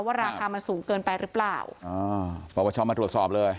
ว่าราคามันสูงเกินไปหรือเปล่าอ๋อประวัติชอบมาตรวจสอบเลย